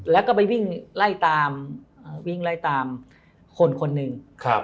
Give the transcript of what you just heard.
แล้วก็ไปวิ่งไล่ตามคนนึง